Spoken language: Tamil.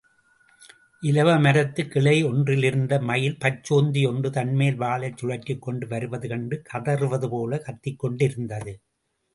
இலவ மரத்துக் கிளையொன்றிலிருந்த மயில், பச்சோந்தி யொன்று தன்மேல் வாலைச் சுழற்றிக்கொண்டு வருவதுகண்டு கதறுவதுபோலக் கத்திக் கொண்டிருந்தது.